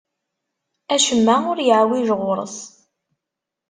Acemma ur yeɛwiǧ ɣur-s.